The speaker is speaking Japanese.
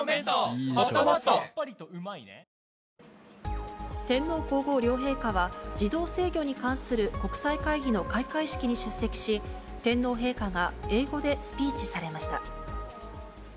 あぁ天皇皇后両陛下は自動制御に関する国際会議の開会式に出席し、天皇陛下が英語でスピーチされました。